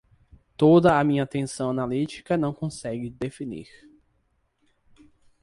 toda a minha atenção analítica não consegue definir.